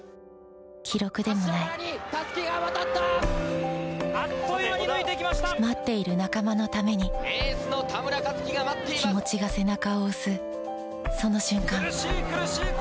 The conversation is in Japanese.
記録でもない待っている仲間のために気持ちが背中を押すその瞬間